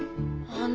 あの。